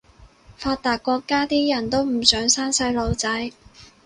發達國家啲人都唔想生細路仔